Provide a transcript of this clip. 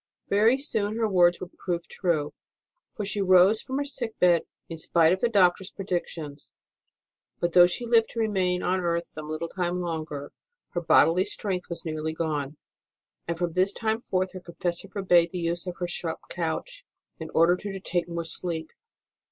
Very soon her words were proved true, for she rose from her sick bed in spite of the doctor s predic tions. But though she lived to remain on earth l68 ST. ROSE OF LIMA some little time longer, her bodily strength was nearly gone ; and from this time forth her confessor forbade the use of her sharp couch and ordered her to take more sleep.